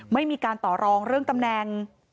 ไม่มีการต่อรองเรื่องตำแหน่ง